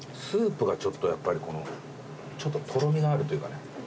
スープがちょっとやっぱりこのちょっととろみがあるというかね